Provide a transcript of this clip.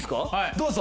どうぞ。